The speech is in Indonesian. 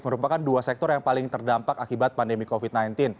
merupakan dua sektor yang paling terdampak akibat pandemi covid sembilan belas